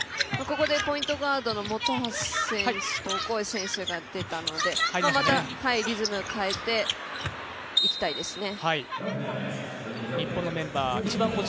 ここでポイントガードの本橋選手とオコエ選手が出たのでまたリズム変えていきたいですね。